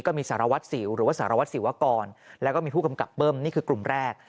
สารวัตรสิวหรือว่าสารวัตรสิวกรแล้วก็มีผู้กำกับเบิ้มนี่คือกลุ่มแรก